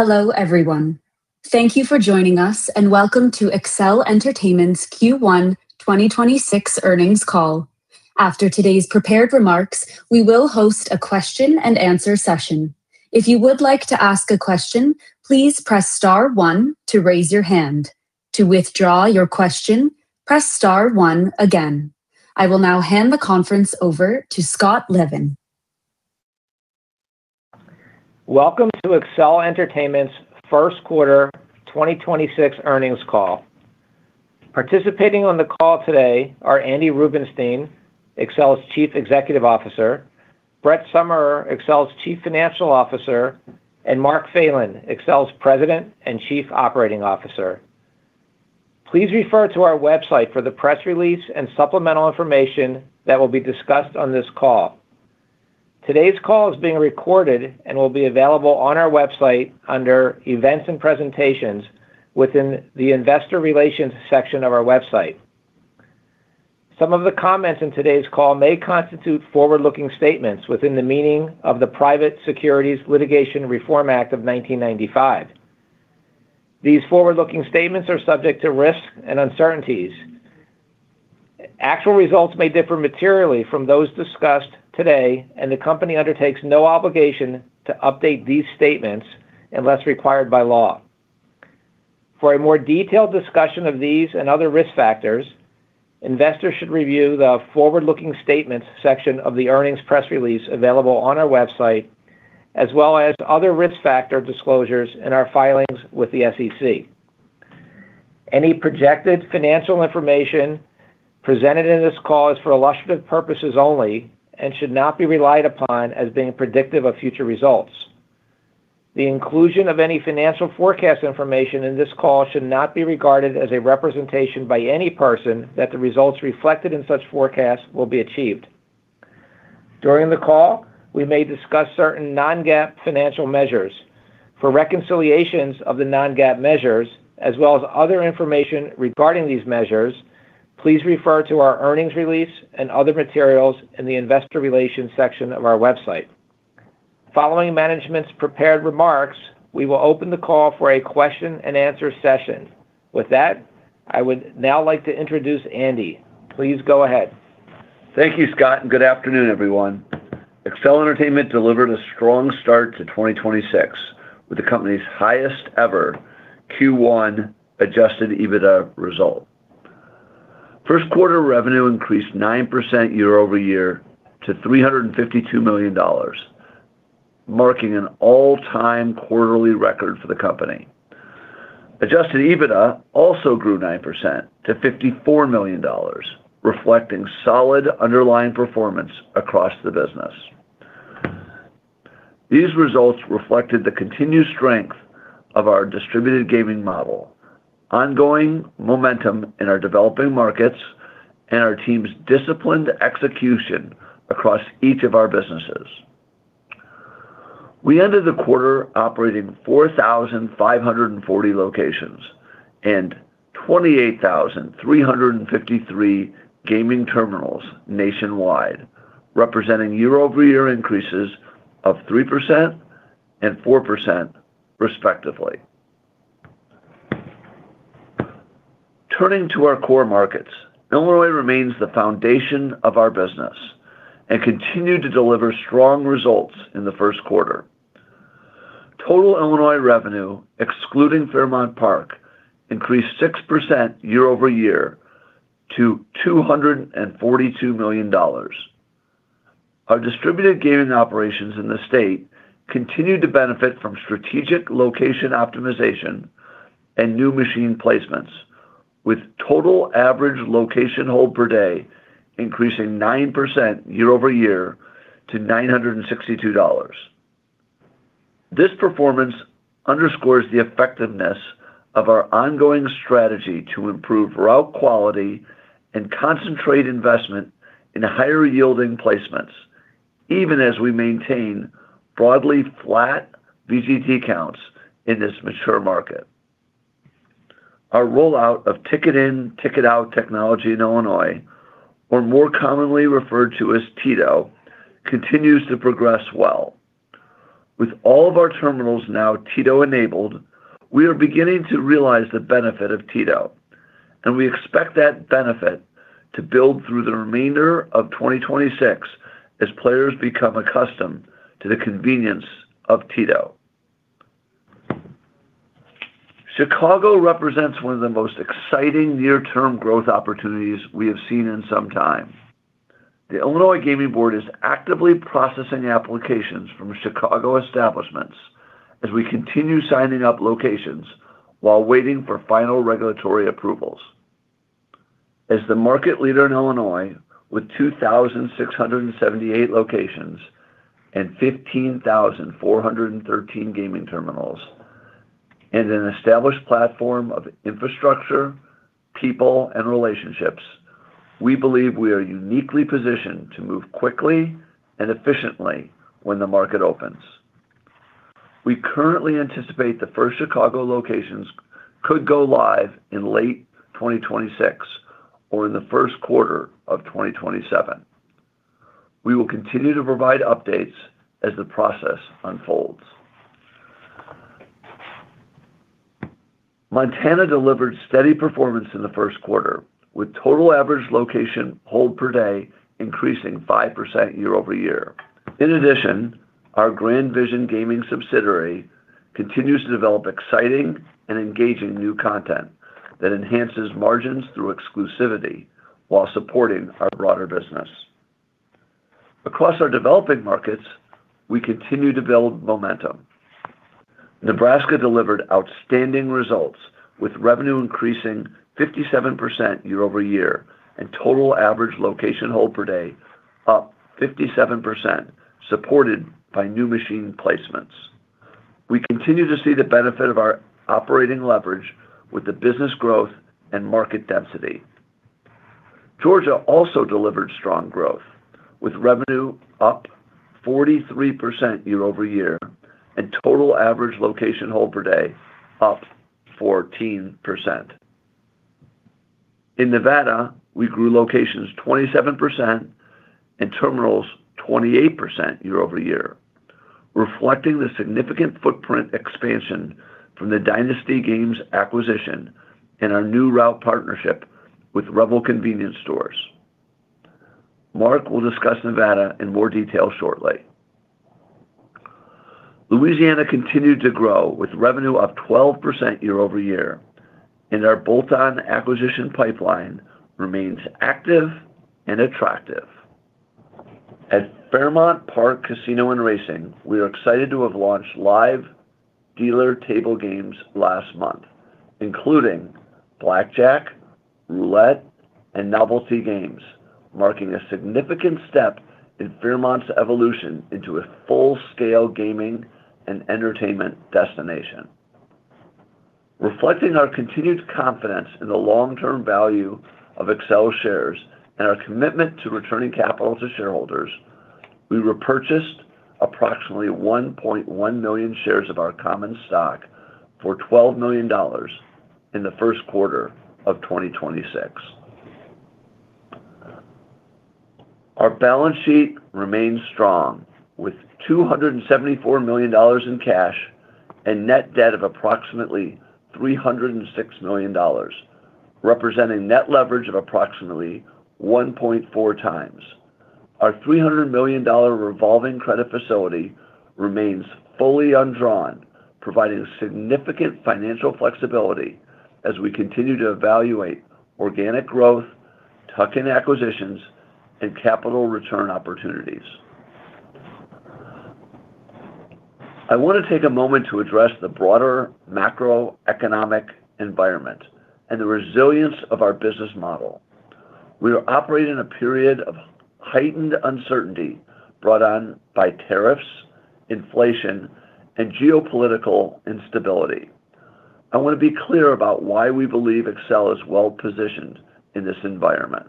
Hello, everyone. Thank you for joining us, and welcome to Accel Entertainment Q1 2026 earnings call. After today's prepared remarks, we will host a question-and-answer session. If you would like to ask a question, please press star one to raise your hand. To withdraw your question, press star one again. I will now hand the conference over to Scott Levin. Welcome to Accel Entertainment first quarter 2026 earnings call. Participating on the call today are Andy Rubenstein, Accel's Chief Executive Officer; Brett Summerer, Accel's Chief Financial Officer; and Mark Phelan, Accel's President and Chief Operating Officer. Please refer to our website for the press release and supplemental information that will be discussed on this call. Today's call is being recorded and will be available on our website under Events and Presentations within the Investor Relations section of our website. Some of the comments in today's call may constitute forward-looking statements within the meaning of the Private Securities Litigation Reform Act of 1995. These forward-looking statements are subject to risks and uncertainties. Actual results may differ materially from those discussed today, and the company undertakes no obligation to update these statements unless required by law. For a more detailed discussion of these and other risk factors, investors should review the Forward-Looking Statements section of the earnings press release available on our website, as well as other risk factor disclosures in our filings with the SEC. Any projected financial information presented in this call is for illustrative purposes only and should not be relied upon as being predictive of future results. The inclusion of any financial forecast information in this call should not be regarded as a representation by any person that the results reflected in such forecasts will be achieved. During the call, we may discuss certain non-GAAP financial measures. For reconciliations of the non-GAAP measures as well as other information regarding these measures, please refer to our earnings release and other materials in the Investor Relations section of our website. Following management's prepared remarks, we will open the call for a question-and-answer session. With that, I would now like to introduce Andy. Please go ahead. Thank you, Scott, good afternoon, everyone. Accel Entertainment delivered a strong start to 2026 with the company's highest ever Q1 Adjusted EBITDA result. First quarter revenue increased 9% YoY to $352 million, marking an all-time quarterly record for the company. Adjusted EBITDA also grew 9% to $54 million, reflecting solid underlying performance across the business. These results reflected the continued strength of our distributed gaming model, ongoing momentum in our developing markets, and our team's disciplined execution across each of our businesses. We ended the quarter operating 4,540 locations and 28,353 gaming terminals nationwide, representing YoY increases of 3% and 4% respectively. Turning to our core markets, Illinois remains the foundation of our business and continued to deliver strong results in the first quarter. Total Illinois revenue, excluding Fairmount Park, increased 6% YoY to $242 million. Our distributed gaming operations in the state continued to benefit from strategic location optimization and new machine placements, with total average location hold per day increasing 9% YoY to $962. This performance underscores the effectiveness of our ongoing strategy to improve route quality and concentrate investment in higher-yielding placements, even as we maintain broadly flat VGT counts in this mature market. Our rollout of ticket in, ticket out technology in Illinois, or more commonly referred to as TITO, continues to progress well. With all of our terminals now TITO-enabled, we are beginning to realize the benefit of TITO, and we expect that benefit to build through the remainder of 2026 as players become accustomed to the convenience of TITO. Chicago represents one of the most exciting near-term growth opportunities we have seen in some time. The Illinois Gaming Board is actively processing applications from Chicago establishments as we continue signing up locations while waiting for final regulatory approvals. As the market leader in Illinois with 2,678 locations and 15,413 gaming terminals and an established platform of infrastructure, people, and relationships, we believe we are uniquely positioned to move quickly and efficiently when the market opens. We currently anticipate the first Chicago locations could go live in late 2026 or in the first quarter of 2027. We will continue to provide updates as the process unfolds. Montana delivered steady performance in the first quarter, with total average location hold per day increasing 5% YoY. Our Grand Vision Gaming subsidiary continues to develop exciting and engaging new content that enhances margins through exclusivity while supporting our broader business. Across our developing markets, we continue to build momentum. Nebraska delivered outstanding results with revenue increasing 57% YoY, and total average location hold per day up 57%, supported by new machine placements. We continue to see the benefit of our operating leverage with the business growth and market density. Georgia also delivered strong growth with revenue up 43% YoY and total average location hold per day up 14%. In Nevada, we grew locations 27% and terminals 28% YoY, reflecting the significant footprint expansion from the Dynasty Games acquisition and our new route partnership with Rebel Convenience Stores. Mark will discuss Nevada in more detail shortly. Louisiana continued to grow with revenue up 12% YoY. Our bolt-on acquisition pipeline remains active and attractive. At Fairmount Park Casino & Racing, we are excited to have launched live dealer table games last month, including Blackjack, Roulette, and novelty games, marking a significant step in Fairmount's evolution into a full-scale gaming and entertainment destination. Reflecting our continued confidence in the long-term value of Accel shares and our commitment to returning capital to shareholders, we repurchased approximately 1.1 million shares of our common stock for $12 million in the first quarter of 2026. Our balance sheet remains strong with $274 million in cash and net debt of approximately $306 million, representing net leverage of approximately 1.4x. Our $300 million revolving credit facility remains fully undrawn, providing significant financial flexibility as we continue to evaluate organic growth, tuck-in acquisitions, and capital return opportunities. I wanna take a moment to address the broader macroeconomic environment and the resilience of our business model. We are operating in a period of heightened uncertainty brought on by tariffs, inflation, and geopolitical instability. I wanna be clear about why we believe Accel is well-positioned in this environment.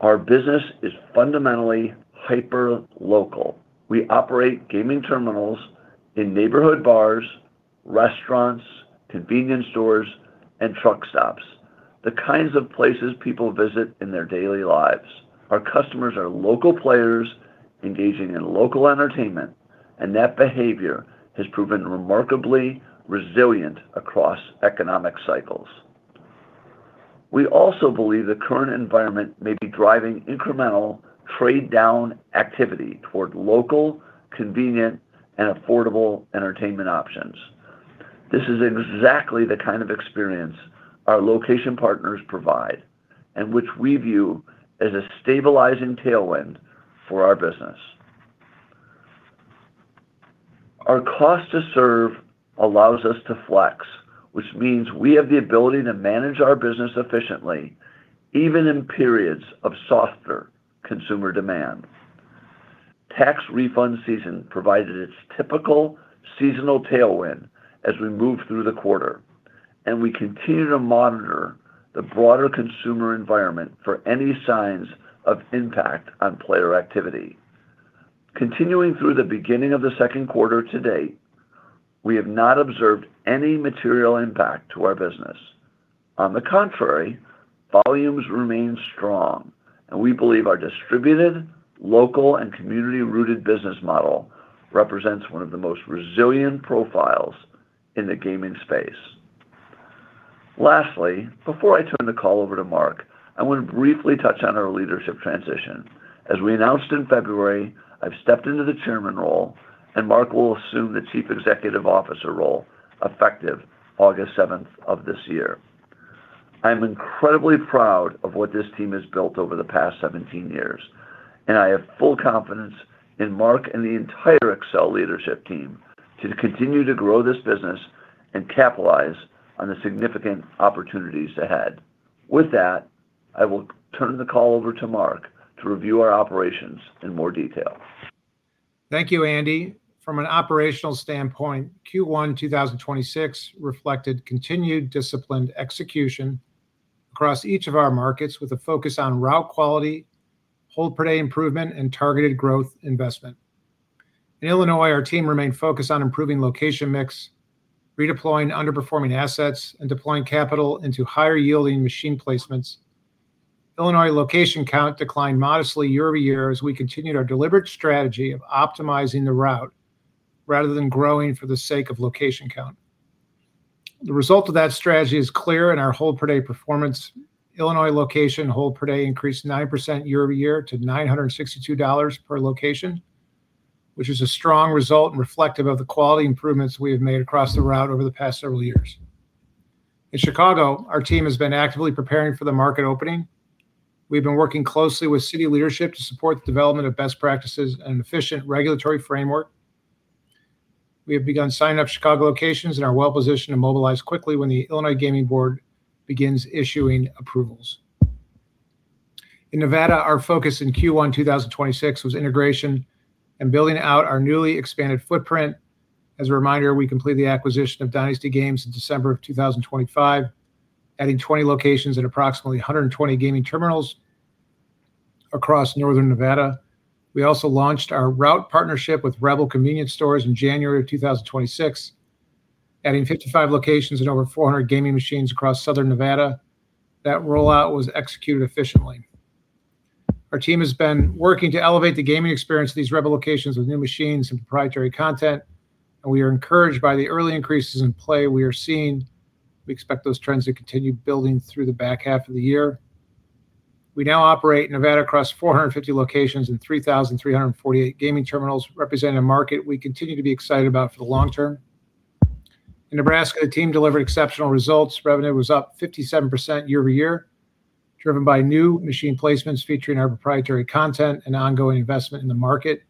Our business is fundamentally hyper-local. We operate gaming terminals in neighborhood bars, restaurants, convenience stores, and truck stops, the kinds of places people visit in their daily lives. Our customers are local players engaging in local entertainment. That behavior has proven remarkably resilient across economic cycles. We also believe the current environment may be driving incremental trade-down activity toward local, convenient, and affordable entertainment options. This is exactly the kind of experience our location partners provide, and which we view as a stabilizing tailwind for our business. Our cost to serve allows us to flex, which means we have the ability to manage our business efficiently, even in periods of softer consumer demand. Tax refund season provided its typical seasonal tailwind as we moved through the quarter, and we continue to monitor the broader consumer environment for any signs of impact on player activity. Continuing through the beginning of the second quarter to date, we have not observed any material impact to our business. On the contrary, volumes remain strong, and we believe our distributed, local, and community-rooted business model represents one of the most resilient profiles in the gaming space. Lastly, before I turn the call over to Mark, I wanna briefly touch on our leadership transition. As we announced in February, I've stepped into the Chairman role, and Mark will assume the Chief Executive Officer role effective August 7th of this year. I'm incredibly proud of what this team has built over the past 17 years, and I have full confidence in Mark and the entire Accel leadership team to continue to grow this business and capitalize on the significant opportunities ahead. With that, I will turn the call over to Mark to review our operations in more detail. Thank you, Andy. From an operational standpoint, Q1 2026 reflected continued disciplined execution across each of our markets with a focus on route quality, hold per day improvement, and targeted growth investment. In Illinois, our team remained focused on improving location mix, redeploying underperforming assets, and deploying capital into higher-yielding machine placements. Illinois location count declined modestly YoY as we continued our deliberate strategy of optimizing the route rather than growing for the sake of location count. The result of that strategy is clear in our hold per day performance. Illinois location hold per day increased 9% YoY to $662 per location, which is a strong result and reflective of the quality improvements we have made across the route over the past several years. In Chicago, our team has been actively preparing for the market opening. We've been working closely with city leadership to support the development of best practices and efficient regulatory framework. We have begun signing up Chicago locations and are well-positioned to mobilize quickly when the Illinois Gaming Board begins issuing approvals. In Nevada, our focus in Q1 2026 was integration and building out our newly expanded footprint. As a reminder, we completed the acquisition of Dynasty Games in December 2025, adding 20 locations and approximately 120 gaming terminals across northern Nevada. We also launched our route partnership with Rebel Convenience Stores in January 2026, adding 55 locations and over 400 gaming machines across southern Nevada. That rollout was executed efficiently. Our team has been working to elevate the gaming experience of these Rebel locations with new machines and proprietary content, and we are encouraged by the early increases in play we are seeing. We expect those trends to continue building through the back half of the year. We now operate in Nevada across 450 locations and 3,348 gaming terminals representing a market we continue to be excited about for the long term. In Nebraska, the team delivered exceptional results. Revenue was up 57% YoY, driven by new machine placements featuring our proprietary content and ongoing investment in the market.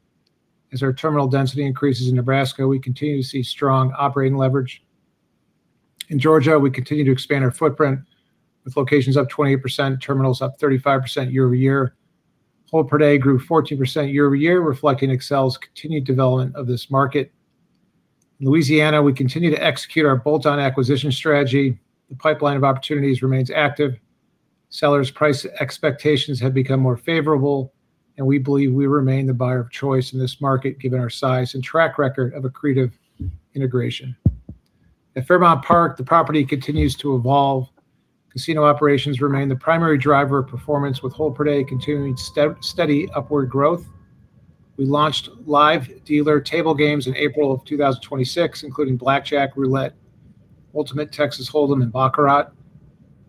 As our terminal density increases in Nebraska, we continue to see strong operating leverage. In Georgia, we continue to expand our footprint, with locations up 20%, terminals up 35% YoY. Hold per day grew 14% YoY, reflecting Accel's continued development of this market. In Louisiana, we continue to execute our bolt-on acquisition strategy. The pipeline of opportunities remains active. Sellers' price expectations have become more favorable, and we believe we remain the buyer of choice in this market, given our size and track record of accretive integration. At Fairmount Park, the property continues to evolve. Casino operations remain the primary driver of performance, with hold per day continuing steady upward growth. We launched live dealer table games in April of 2026, including Blackjack, Roulette, Ultimate Texas Hold'em, and Baccarat,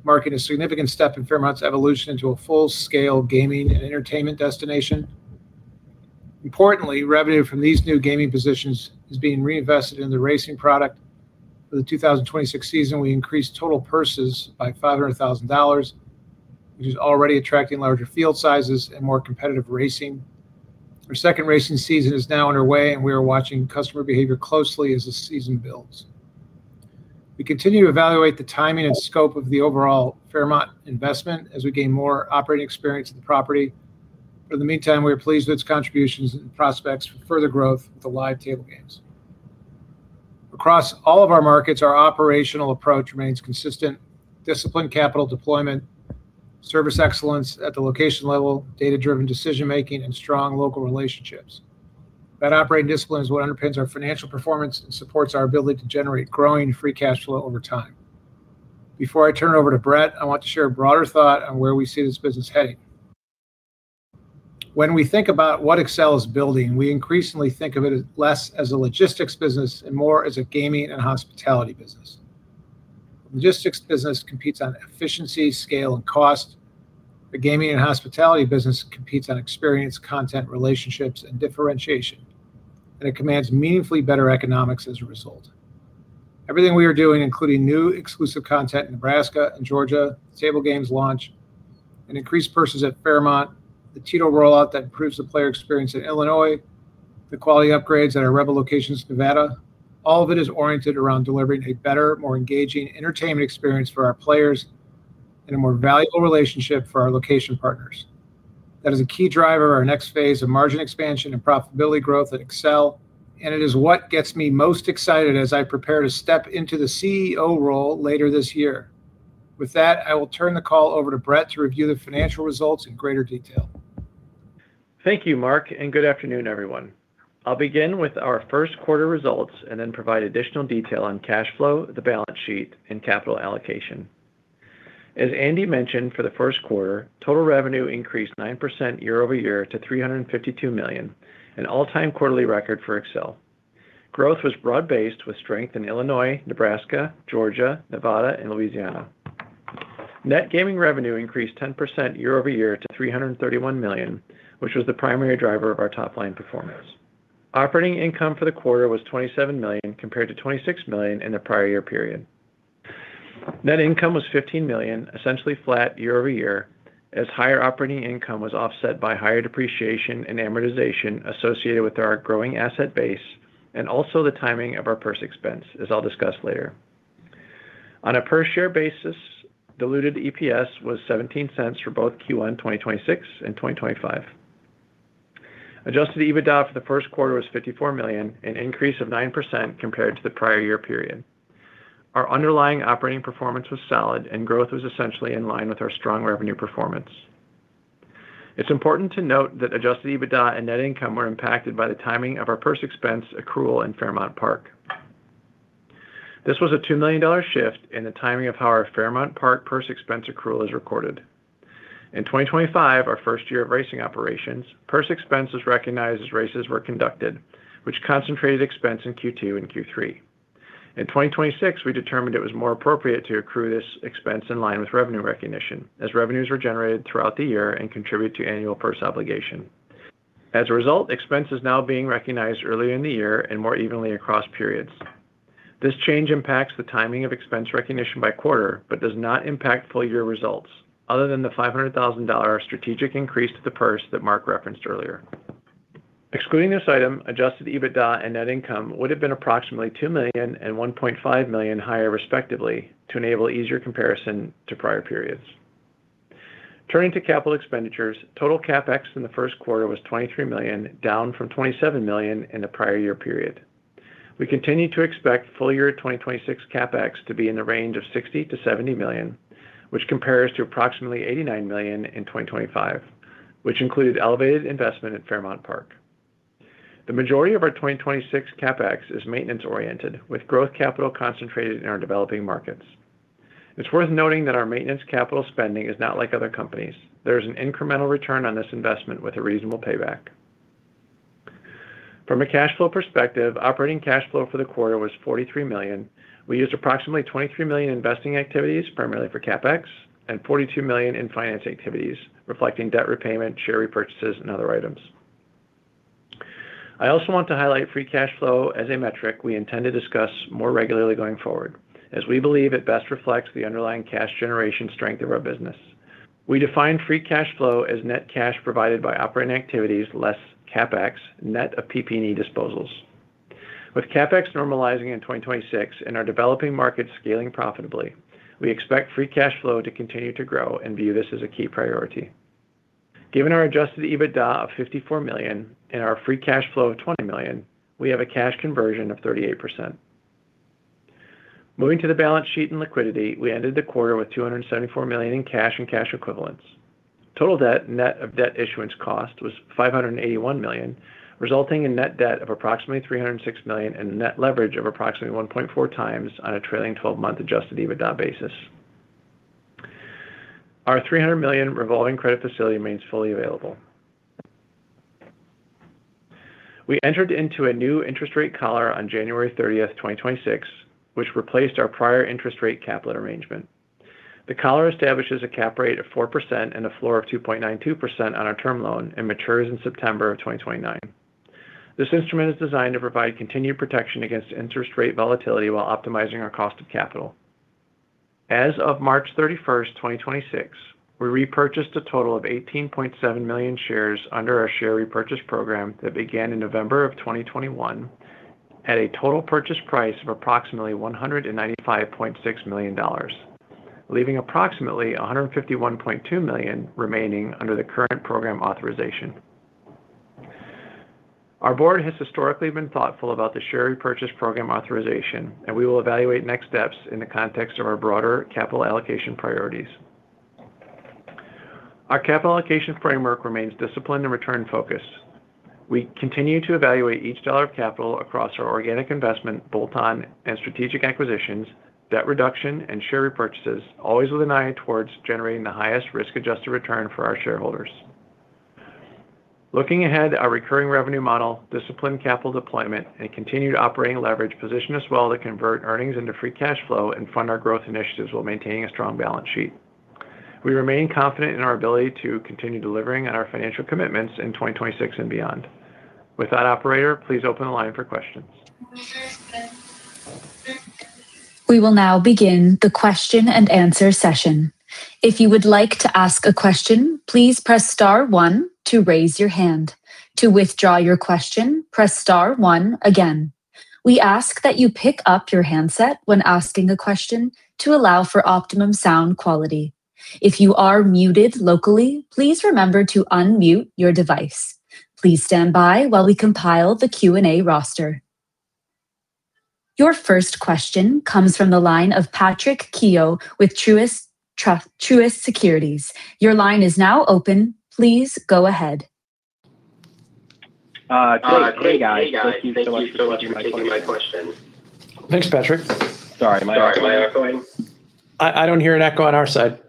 marking a significant step in Fairmount's evolution into a full-scale gaming and entertainment destination. Importantly, revenue from these new gaming positions is being reinvested in the racing product. For the 2026 season, we increased total purses by $500,000, which is already attracting larger field sizes and more competitive racing. Our second racing season is now underway, and we are watching customer behavior closely as the season builds. We continue to evaluate the timing and scope of the overall Fairmount investment as we gain more operating experience of the property. For the meantime, we are pleased with its contributions and prospects for further growth with the live table games. Across all of our markets, our operational approach remains consistent: disciplined capital deployment, service excellence at the location level, data-driven decision-making, and strong local relationships. That operating discipline is what underpins our financial performance and supports our ability to generate growing free cash flow over time. Before I turn it over to Brett Summerer, I want to share a broader thought on where we see this business heading. When we think about what Accel is building, we increasingly think of it as less as a logistics business and more as a gaming and hospitality business. Logistics business competes on efficiency, scale, and cost. The gaming and hospitality business competes on experience, content, relationships, and differentiation, and it commands meaningfully better economics as a result. Everything we are doing, including new exclusive content in Nebraska and Georgia, table games launch, and increased purses at Fairmount, the TITO rollout that improves the player experience in Illinois, the quality upgrades at our Rebel locations in Nevada, all of it is oriented around delivering a better, more engaging entertainment experience for our players and a more valuable relationship for our location partners. That is a key driver of our next phase of margin expansion and profitability growth at Accel. It is what gets me most excited as I prepare to step into the CEO role later this year. With that, I will turn the call over to Brett to review the financial results in greater detail. Thank you, Mark, and good afternoon, everyone. I'll begin with our first quarter results and then provide additional detail on cash flow, the balance sheet, and capital allocation. As Andy mentioned, for the first quarter, total revenue increased 9% YoY to $352 million, an all-time quarterly record for Accel. Growth was broad-based with strength in Illinois, Nebraska, Georgia, Nevada, and Louisiana. Net gaming revenue increased 10% YoY to $331 million, which was the primary driver of our top-line performance. Operating income for the quarter was $27 million compared to $26 million in the prior year period. Net income was $15 million, essentially flat YoY, as higher operating income was offset by higher depreciation and amortization associated with our growing asset base and also the timing of our purse expense, as I'll discuss later. On a per-share basis, diluted EPS was $0.17 for both Q1 2026 and 2025. Adjusted EBITDA for the first quarter was $54 million, an increase of 9% compared to the prior year period. Our underlying operating performance was solid, and growth was essentially in line with our strong revenue performance. It's important to note that Adjusted EBITDA and net income were impacted by the timing of our purse expense accrual in Fairmount Park. This was a $2 million shift in the timing of how our Fairmount Park purse expense accrual is recorded. In 2025, our first year of racing operations, purse expense is recognized as races were conducted, which concentrated expense in Q2 and Q3. In 2026, we determined it was more appropriate to accrue this expense in line with revenue recognition as revenues were generated throughout the year and contribute to annual purse obligation. As a result, expense is now being recognized earlier in the year and more evenly across periods. This change impacts the timing of expense recognition by quarter, but does not impact full-year results other than the $500,000 strategic increase to the purse that Mark referenced earlier. Excluding this item, Adjusted EBITDA and net income would have been approximately $2 million and $1.5 million higher respectively to enable easier comparison to prior periods. Turning to capital expenditures, total CapEx in the first quarter was $23 million, down from $27 million in the prior year period. We continue to expect full-year 2026 CapEx to be in the range of $60 million-$70 million, which compares to approximately $89 million in 2025, which included elevated investment at Fairmount Park. The majority of our 2026 CapEx is maintenance-oriented, with growth capital concentrated in our developing markets. It's worth noting that our maintenance capital spending is not like other companies. There is an incremental return on this investment with a reasonable payback. From a cash flow perspective, operating cash flow for the quarter was $43 million. We used approximately $23 million investing activities primarily for CapEx and $42 million in finance activities reflecting debt repayment, share repurchases, and other items. I also want to highlight free cash flow as a metric we intend to discuss more regularly going forward, as we believe it best reflects the underlying cash generation strength of our business. We define free cash flow as net cash provided by operating activities, less CapEx, net of PP&E disposals. With CapEx normalizing in 2026 and our developing markets scaling profitably, we expect free cash flow to continue to grow and view this as a key priority. Given our Adjusted EBITDA of $54 million and our free cash flow of $20 million, we have a cash conversion of 38%. Moving to the balance sheet and liquidity, we ended the quarter with $274 million in cash and cash equivalents. Total debt, net of debt issuance cost, was $581 million, resulting in net debt of approximately $306 million and net leverage of approximately 1.4x on a trailing 12-month Adjusted EBITDA basis. Our $300 million revolving credit facility remains fully available. We entered into a new interest rate collar on January 30th, 2026, which replaced our prior interest rate caplet arrangement. The collar establishes a cap rate of 4% and a floor of 2.92% on our term loan and matures in September of 2029. This instrument is designed to provide continued protection against interest rate volatility while optimizing our cost of capital. As of March 31st, 2026, we repurchased a total of 18.7 million shares under our share repurchase program that began in November of 2021 at a total purchase price of approximately $195.6 million, leaving approximately $151.2 million remaining under the current program authorization. Our board has historically been thoughtful about the share repurchase program authorization, and we will evaluate next steps in the context of our broader capital allocation priorities. Our capital allocation framework remains disciplined and return-focused. We continue to evaluate each dollar of capital across our organic investment, bolt-on and strategic acquisitions, debt reduction, and share repurchases, always with an eye towards generating the highest risk-adjusted return for our shareholders. Looking ahead, our recurring revenue model, disciplined capital deployment, and continued operating leverage position us well to convert earnings into free cash flow and fund our growth initiatives while maintaining a strong balance sheet. We remain confident in our ability to continue delivering on our financial commitments in 2026 and beyond. With that, operator, please open the line for questions. We will now start the question and answer session. If you would like to ask a question, please press star one to raise your hand, to withdraw your question, press star one again. We ask that you pick up your handset when asking a question to allow optimum sound quality. If you are muted locally, please remember to unmute your device. Please standby while we compile the Q&A roster. Your first question comes from the line of Patrick Keough with Truist Securities. Your line is now open. Please go ahead. Hey, guys. Thank you so much for taking my question. Thanks, Patrick. Sorry, am I echoing? I don't hear an echo on our side.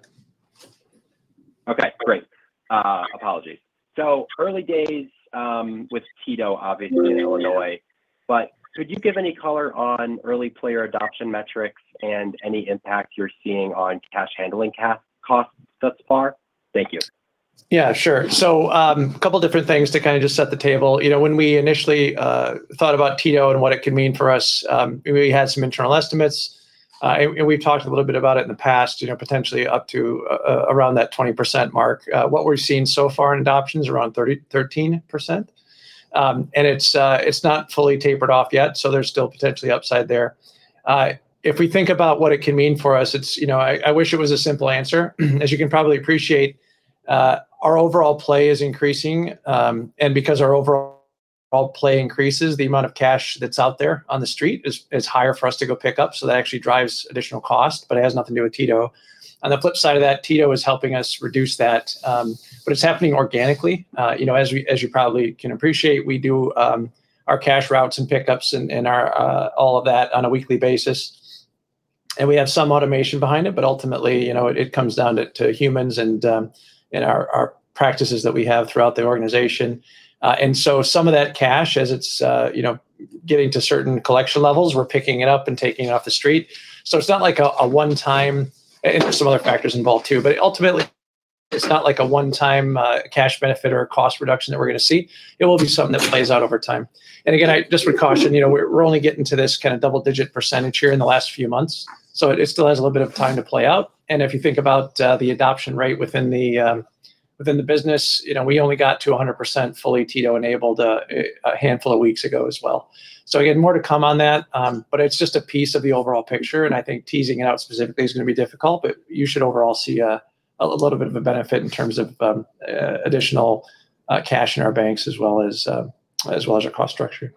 Okay, great. Apologies. Early days, with TITO obviously in Illinois, but could you give any color on early player adoption metrics and any impact you're seeing on cash handling costs thus far? Thank you. Yeah, sure. A couple different things to kind of just set the table. You know, when we initially thought about TITO and what it could mean for us, we had some internal estimates, and we've talked a little bit about it in the past, you know, potentially up to around that 20% mark. What we're seeing so far in adoptions around 13%, and it's not fully tapered off yet, so there's still potentially upside there. If we think about what it can mean for us, you know, I wish it was a simple answer. As you can probably appreciate, our overall play is increasing, and because our overall All play increases the amount of cash that's out there on the street is higher for us to go pick up, that actually drives additional cost, but it has nothing to do with TITO. On the flip side of that, TITO is helping us reduce that, but it's happening organically. You know, as you probably can appreciate, we do our cash routes and pickups and our all of that on a weekly basis. We have some automation behind it, but ultimately, you know, it comes down to humans and our practices that we have throughout the organization. Some of that cash as it's, you know, getting to certain collection levels, we're picking it up and taking it off the street. There's some other factors involved too, but ultimately, it's not like a one-time cash benefit or a cost reduction that we're gonna see. It will be something that plays out over time. Again, I just would caution, you know, we're only getting to this kind of double-digit percent here in the last few months, so it still has a little bit of time to play out. If you think about the adoption rate within the business, you know, we only got to 100% fully TITO-enabled a handful of weeks ago as well. Again, more to come on that. It's just a piece of the overall picture, and I think teasing out specifically is gonna be difficult, but you should overall see a little bit of a benefit in terms of additional cash in our banks as well as our cost structure.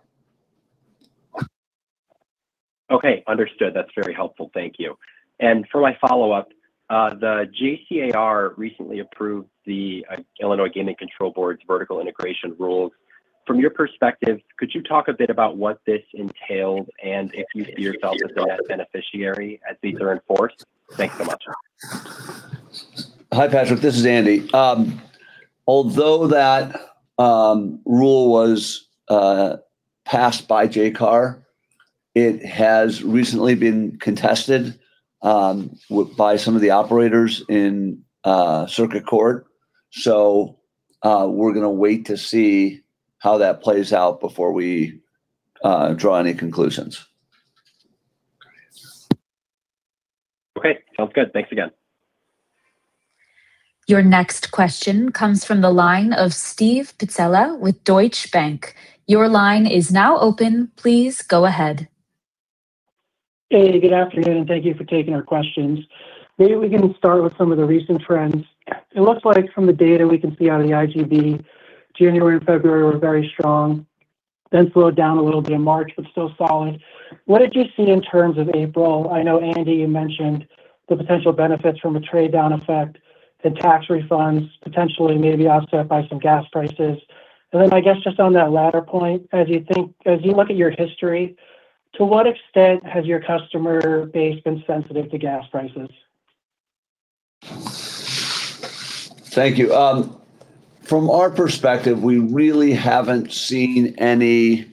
Okay. Understood. That's very helpful. Thank you. For my follow-up, the JCAR recently approved the Illinois Gaming Board's vertical integration rules. From your perspective, could you talk a bit about what this entails and if you see yourself as the net beneficiary as these are enforced? Thanks so much. Hi, Patrick. This is Andy. Although that rule was passed by JCAR, it has recently been contested by some of the operators in circuit court. We're gonna wait to see how that plays out before we draw any conclusions. Okay. Sounds good. Thanks again. Your next question comes from the line of Steve Pizzella with Deutsche Bank. Your line is now open. Please go ahead. Hey, good afternoon, and thank you for taking our questions. Maybe we can start with some of the recent trends. It looks like from the data we can see out of the IGB, January and February were very strong, then slowed down a little bit in March, but still solid. What did you see in terms of April? I know, Andy, you mentioned the potential benefits from a trade-down effect and tax refunds potentially may be offset by some gas prices. Then I guess just on that latter point, as you look at your history, to what extent has your customer base been sensitive to gas prices? Thank you. From our perspective, we really haven't seen any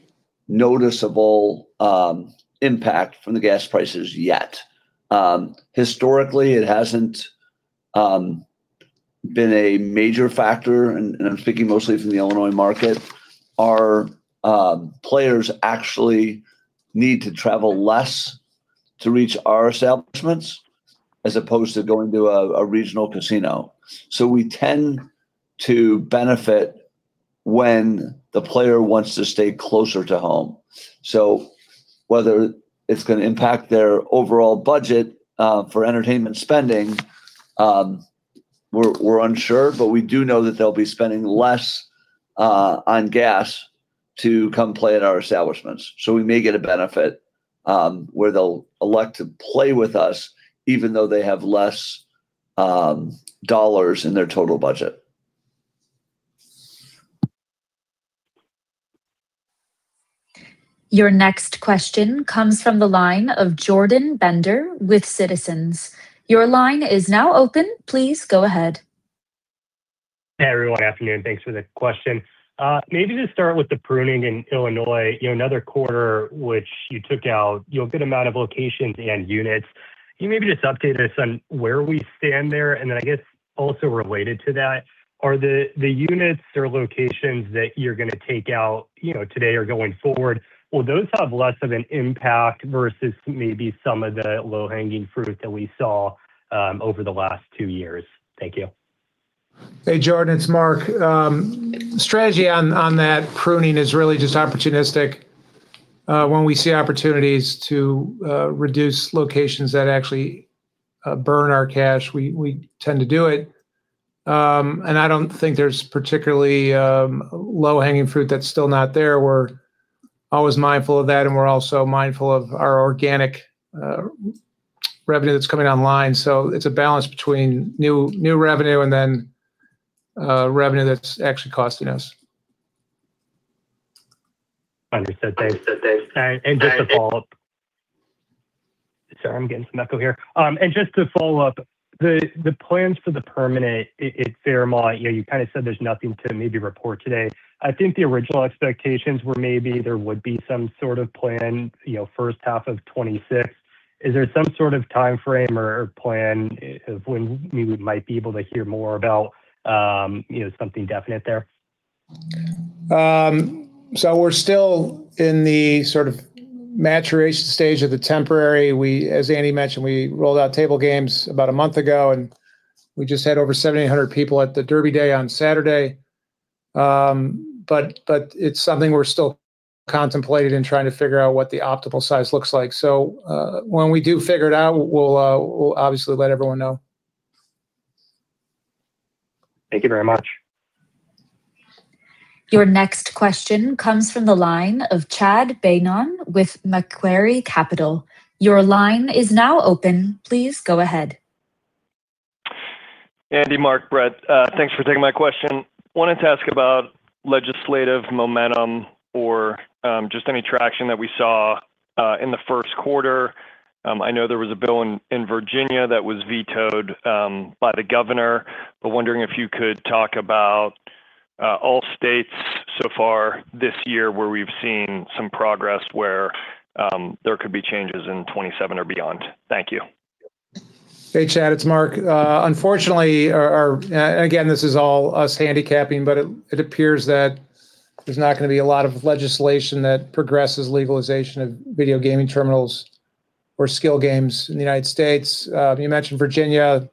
noticeable impact from the gas prices yet. Historically, it hasn't been a major factor, and I'm speaking mostly from the Illinois market. Our players actually need to travel less to reach our establishments as opposed to going to a regional casino. We tend to benefit when the player wants to stay closer to home. Whether it's gonna impact their overall budget for entertainment spending, we're unsure, but we do know that they'll be spending less on gas to come play at our establishments. We may get a benefit where they'll elect to play with us even though they have less dollars in their total budget. Your next question comes from the line of Jordan Bender with Citizens. Your line is now open. Please go ahead. Hey, everyone. Afternoon. Thanks for the question. Maybe just start with the pruning in Illinois. You know, another quarter which you took out, you know, a good amount of locations and units. Can you maybe just update us on where we stand there? I guess also related to that, are the units or locations that you're gonna take out, you know, today or going forward, will those have less of an impact versus maybe some of the low-hanging fruit that we saw over the last two years? Thank you. Hey, Jordan. It's Mark. Strategy on that pruning is really just opportunistic. When we see opportunities to reduce locations that actually burn our cash, we tend to do it. I don't think there's particularly low-hanging fruit that's still not there. We're always mindful of that, and we're also mindful of our organic revenue that's coming online. It's a balance between new revenue and then revenue that's actually costing us. Understood. Thanks. Just to follow up. Sorry, I'm getting some echo here. Just to follow up, the plans for The Permanent at Fairmount, you know, you kind of said there's nothing to maybe report today. I think the original expectations were maybe there would be some sort of plan, you know, first half of 2026. Is there some sort of timeframe or plan of when we might be able to hear more about, you know, something definite there? We're still in the sort of maturation stage of The Permanent. We, as Andy mentioned, we rolled out table games about a month ago, and we just had over 7,000 people at the Derby Day on Saturday. But it's something we're still contemplating and trying to figure out what the optimal size looks like. When we do figure it out, we'll obviously let everyone know. Thank you very much. Your next question comes from the line of Chad Beynon with Macquarie Capital. Your line is now open. Please go ahead. Andy, Mark, Brett, thanks for taking my question. Wanted to ask about legislative momentum or just any traction that we saw in the first quarter. I know there was a bill in Virginia that was vetoed by the governor. Wondering if you could talk about all states so far this year where we've seen some progress where there could be changes in 2027 or beyond. Thank you. Hey, Chad, it's Mark. Unfortunately, our again, this is all us handicapping, but it appears that there's not gonna be a lot of legislation that progresses legalization of video gaming terminals or skill games in the United States. You mentioned Virginia.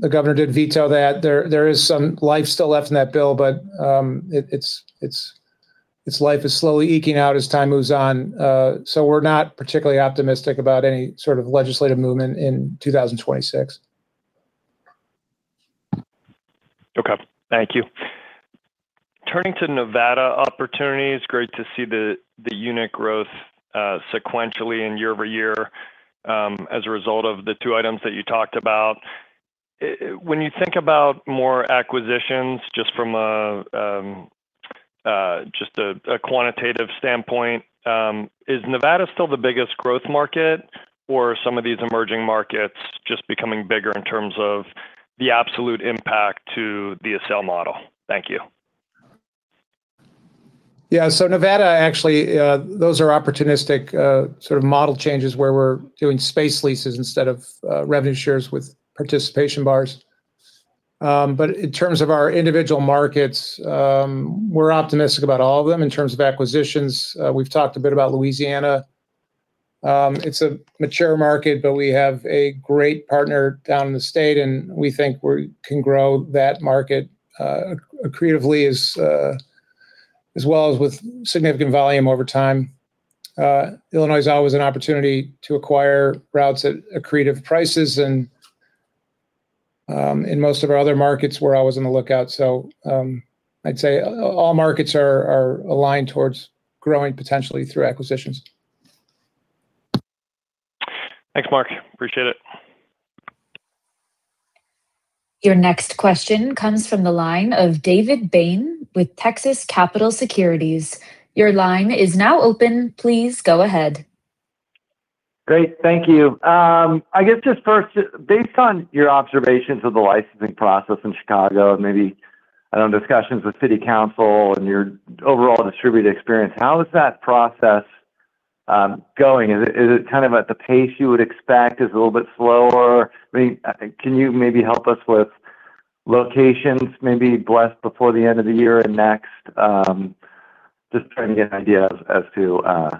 The governor did veto that. There is some life still left in that bill, but Its life is slowly eking out as time moves on. We're not particularly optimistic about any sort of legislative movement in 2026. Okay, thank you. Turning to Nevada opportunities, great to see the unit growth sequentially and YoY as a result of the two items that you talked about. When you think about more acquisitions just from a quantitative standpoint, is Nevada still the biggest growth market or are some of these emerging markets just becoming bigger in terms of the absolute impact to the SL model? Thank you. Yeah so Nevada actually, those are opportunistic, sort of model changes where we're doing space leases instead of revenue shares with participation bars. But in terms of our individual markets, we're optimistic about all of them. In terms of acquisitions, we've talked a bit about Louisiana. It's a mature market, but we have a great partner down in the state, and we think we can grow that market creatively as well as with significant volume over time. Illinois is always an opportunity to acquire routes at accretive prices, and in most of our other markets, we're always on the lookout. I'd say all markets are aligned towards growing potentially through acquisitions. Thanks, Mark. Appreciate it. Your next question comes from the line of David Bain with Texas Capital Securities. Your line is now open. Please go ahead. Great. Thank you. I guess just first, based on your observations of the licensing process in Chicago, and maybe, I don't know, discussions with city council and your overall distributor experience, how is that process going? Is it kind of at the pace you would expect? Is it a little bit slower? I mean, can you maybe help us with locations maybe blessed before the end of the year and next? Just trying to get an idea as to how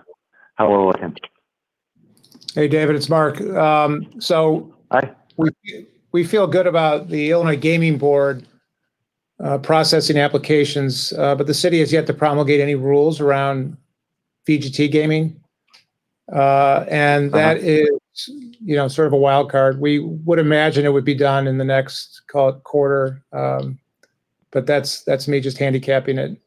we're looking. Hey, David, it's Mark. Hi. We feel good about the Illinois Gaming Board processing applications, but the city is yet to promulgate any rules around VGT gaming. Okay. You know, sort of a wild card. We would imagine it would be done in the next, call it, quarter. That's me just handicapping it.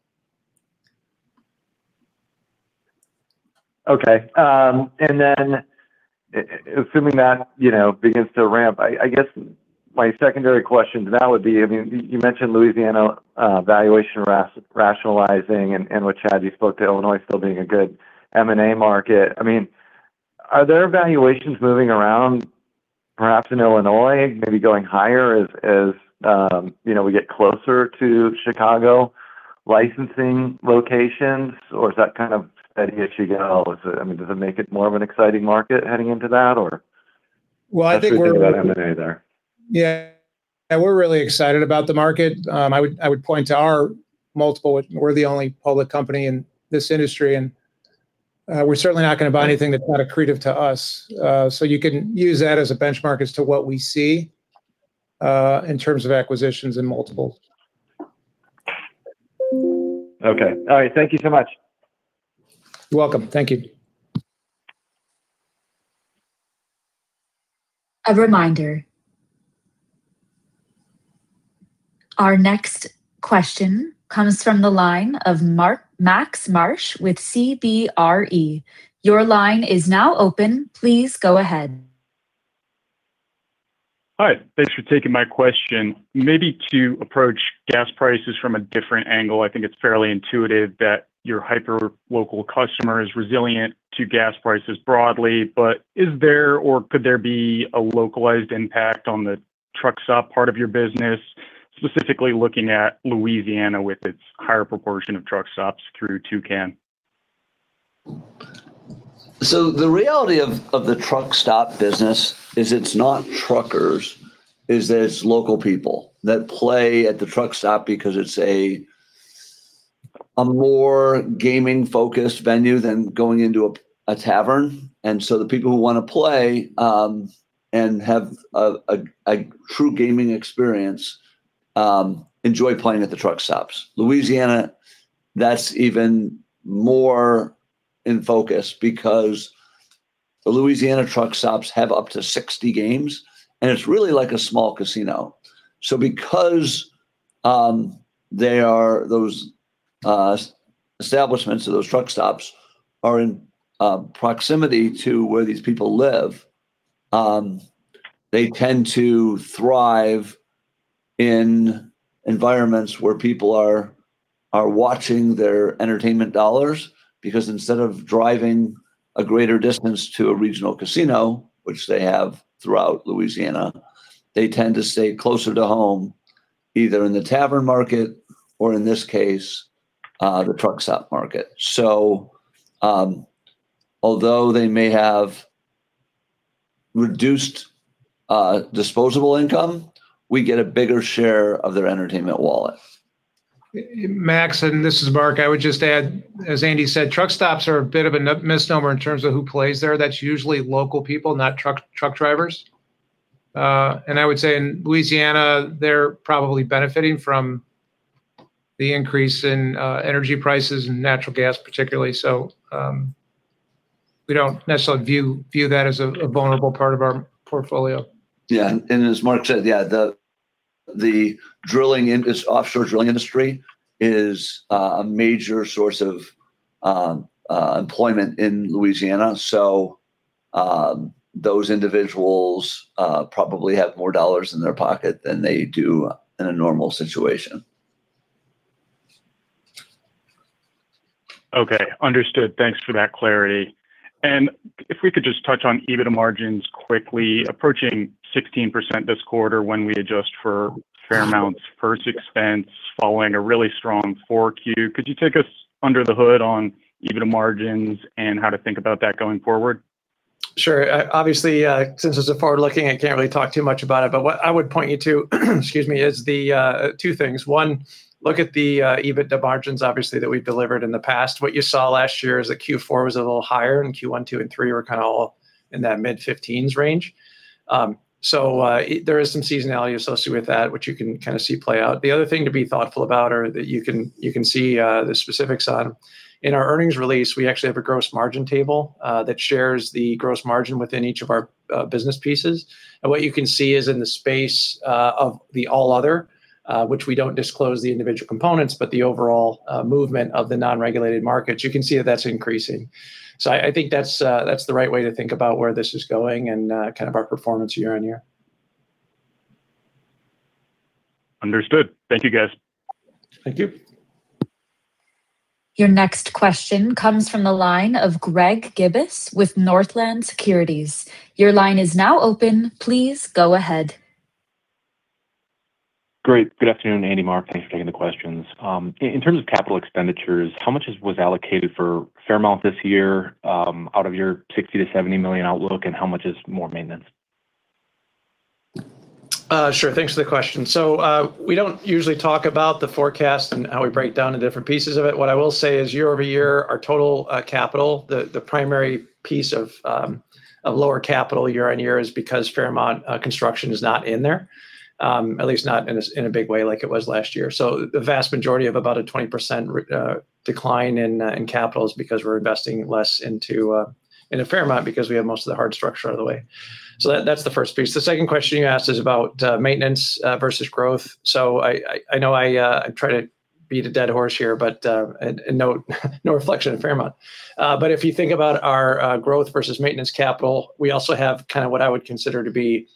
Okay and then, assuming that, you know, begins to ramp, I guess my secondary question to that would be, I mean, you mentioned Louisiana, valuation rationalizing and with Chad, you spoke to Illinois still being a good M&A market. I mean, are there valuations moving around perhaps in Illinois, maybe going higher as, you know, we get closer to Chicago licensing locations or is that kind of steady as you go? I mean, does it make it more of an exciting market heading into that? Well, I think we're really- What do you think about M&A there? Yeah, we're really excited about the market. I would point to our multiple. We're the only public company in this industry, and we're certainly not gonna buy anything that's not accretive to us. You can use that as a benchmark as to what we see in terms of acquisitions and multiples. Okay. All right. Thank you so much. You're welcome. Thank you. A reminder. Our next question comes from the line of Max Marsh with CBRE. Your line is now open. Please go ahead. Hi. Thanks for taking my question. Maybe to approach gas prices from a different angle, I think it's fairly intuitive that your hyper-local customer is resilient to gas prices broadly. Is there or could there be a localized impact on the truck stop part of your business, specifically looking at Louisiana with its higher proportion of truck stops through Tucan? The reality of the truck stop business is it's not truckers, is that it's local people that play at the truck stop because it's a more gaming-focused venue than going into a tavern. The people who wanna play and have a true gaming experience enjoy playing at the truck stops. Louisiana, that's even more in focus. The Louisiana truck stops have up to 60 games, and it's really like a small casino. Because those establishments or those truck stops are in proximity to where these people live, they tend to thrive in environments where people are watching their entertainment dollars because instead of driving a greater distance to a regional casino, which they have throughout Louisiana, they tend to stay closer to home, either in the tavern market or, in this case, the truck stop market. Although they may have reduced disposable income, we get a bigger share of their entertainment wallet. Max, and this is Mark. I would just add, as Andy said, truck stops are a bit of a misnomer in terms of who plays there. That's usually local people, not truck drivers. I would say in Louisiana, they're probably benefiting from the increase in energy prices and natural gas particularly so, we don't necessarily view that as a vulnerable part of our portfolio. Yeah. As Mark said, the offshore drilling industry is a major source of employment in Louisiana, so those individuals probably have more dollars in their pocket than they do in a normal situation. Okay. Understood. Thanks for that clarity. If we could just touch on EBITDA margins quickly, approaching 16% this quarter when we adjust for Fairmount's first expense following a really strong Q4. Could you take us under the hood on EBITDA margins and how to think about that going forward? Sure. Obviously, since it's forward-looking, I can't really talk too much about it, but what I would point you to, excuse me, is the two things. One, look at the EBITDA margins obviously that we delivered in the past. What you saw last year is that Q4 was a little higher, and Q1, Q2, and Q3 were kind of all in that mid-15s range. There is some seasonality associated with that, which you can kind of see play out. The other thing to be thoughtful about are that you can see the specifics on, in our earnings release, we actually have a gross margin table that shares the gross margin within each of our business pieces. What you can see is in the space of the all other, which we don't disclose the individual components, but the overall movement of the non-regulated markets, you can see that that's increasing. I think that's the right way to think about where this is going and kind of our performance year-on-year. Understood. Thank you, guys. Thank you. Your next question comes from the line of Greg Gibas with Northland Securities. Your line is now open. Please go ahead. Great. Good afternoon, Andy and Mark. Thanks for taking the questions. In terms of capital expenditures, how much was allocated for Fairmount this year, out of your $60 million-$70 million outlook, and how much is more maintenance? Sure. Thanks for the question. We don't usually talk about the forecast and how we break down the different pieces of it. What I will say is YoY, our total capital, the primary piece of lower capital year-on-year is because Fairmount construction is not in there, at least not in a big way like it was last year. The vast majority of about a 20% decline in capital is because we're investing less into Fairmount because we have most of the hard structure out of the way. That's the first piece. The second question you asked is about maintenance versus growth. I know I try to beat a dead horse here, and no reflection on Fairmount. But if you think about our growth versus maintenance capital, we also have kind of what I would consider to be,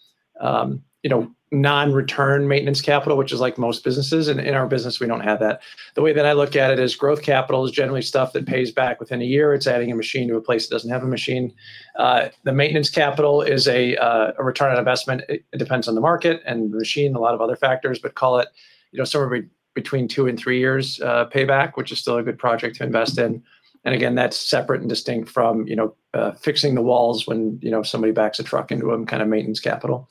you know, non-return maintenance capital, which is like most businesses. In our business, we don't have that. The way that I look at it is growth capital is generally stuff that pays back within one year. It's adding a machine to a place that doesn't have a machine. The maintenance capital is a return on investment. It depends on the market and the machine, a lot of other factors, but call it, you know, somewhere between two and three years payback, which is still a good project to invest in. Again, that's separate and distinct from, you know, fixing the walls when, you know, somebody backs a truck into them kind of maintenance capital.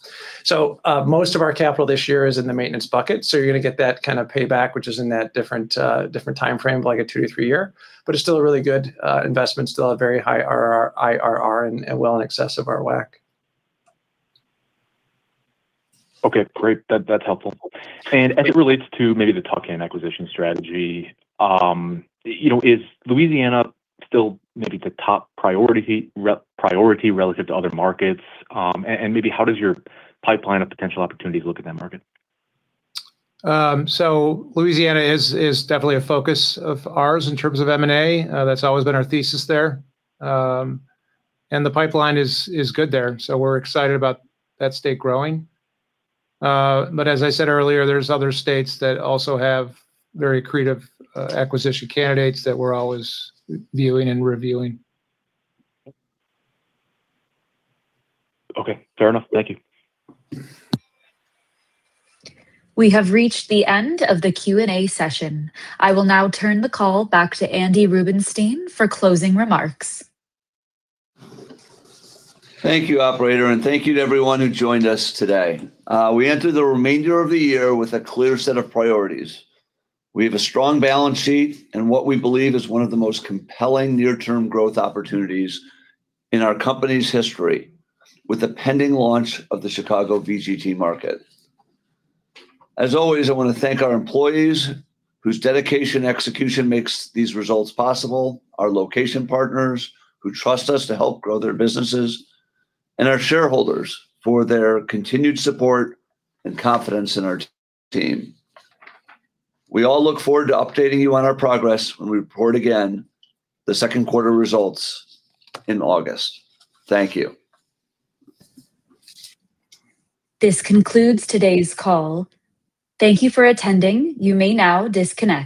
Most of our capital this year is in the maintenance bucket, so you're gonna get that kind of payback, which is in that different timeframe of like a two to three year. It's still a really good investment, still a very high IRR and well in excess of our WACC. Okay. Great. That's helpful. As it relates to maybe the tuck-in acquisition strategy, you know, is Louisiana still maybe the top priority relative to other markets? And maybe how does your pipeline of potential opportunities look at that market? Louisiana is definitely a focus of ours in terms of M&A. That's always been our thesis there. The pipeline is good there, so we're excited about that state growing. As I said earlier, there's other states that also have very creative, acquisition candidates that we're always viewing and reviewing. Okay. Fair enough. Thank you. We have reached the end of the Q&A session. I will now turn the call back to Andy Rubenstein for closing remarks. Thank you, operator, and thank you to everyone who joined us today. We enter the remainder of the year with a clear set of priorities. We have a strong balance sheet and what we believe is one of the most compelling near-term growth opportunities in our company's history with the pending launch of the Chicago VGT market. As always, I wanna thank our employees whose dedication and execution makes these results possible, our location partners who trust us to help grow their businesses, and our shareholders for their continued support and confidence in our team. We all look forward to updating you on our progress when we report again the second quarter results in August. Thank you. This concludes today's call. Thank you for attending. You may now disconnect.